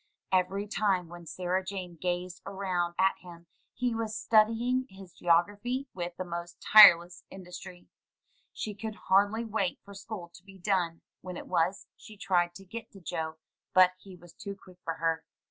Every time when Sarah Jane gazed around at him he was studying his geography with the most tireless industry. She could hardly wait for school to be done; when it was, she tried to get to Joe, but he was too quick for her.